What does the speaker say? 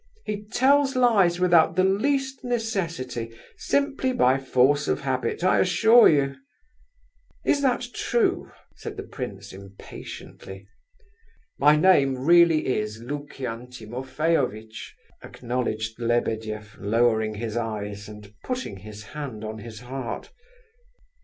He tells lies without the least necessity, simply by force of habit, I assure you." "Is that true?" said the prince impatiently. "My name really is Lukian Timofeyovitch," acknowledged Lebedeff, lowering his eyes, and putting his hand on his heart.